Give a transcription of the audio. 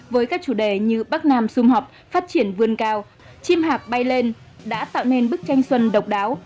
với các chủ đề như bắc nam xung họp phát triển vươn cao chiêm hạc bay lên đã tạo nên bức tranh xuân độc đáo